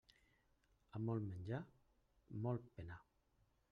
A molt menjar, molt penar.